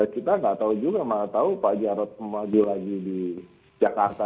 kita nggak tahu juga malah tahu pak jarod maju lagi di jakarta